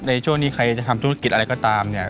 ในช่วงนี้ใครจะทำธุรกิจอะไรก็ตามเนี่ย